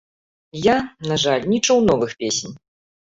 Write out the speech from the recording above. Я, на жаль, не чуў новых песень.